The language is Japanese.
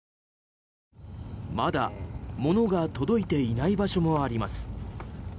まだ、物が届いていない場所もあります。